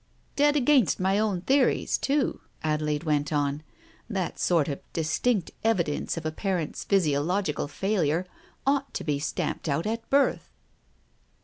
... "Dead against my own theories too," Adelaide went on. "That sort of distinct evidence of a parent's physio logical failure ought to be stamped out at birth."